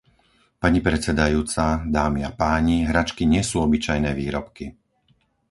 Pani predsedajúca, dámy a páni, hračky nie sú obyčajné výrobky.